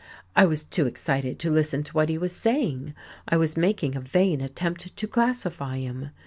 I was too excited to listen to what he was saying, I was making a vain attempt to classify him.